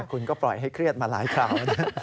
คุณก็ปล่อยให้เครียดมาหลายคราวนะ